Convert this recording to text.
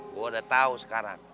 gue udah tau sekarang